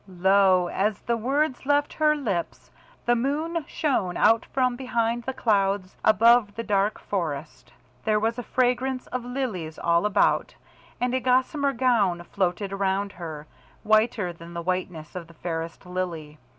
Lo, as the words left her lips, the moon shone out from behind the clouds above the dark forest. There was a fragrance of lilies all about, and a gossamer gown floated around her, whiter than the whiteness of the fairest lily.